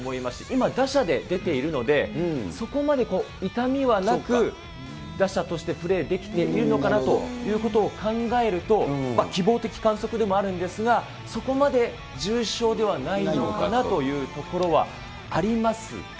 今、打者で出ているので、そこまで痛みはなく、打者としてプレーできているのかなということを考えると、希望的観測でもあるんですが、そこまで重症ではないのかなというところはありますが。